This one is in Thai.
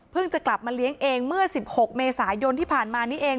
จะกลับมาเลี้ยงเองเมื่อ๑๖เมษายนที่ผ่านมานี้เอง